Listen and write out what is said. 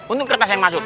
untung kertas yang masuk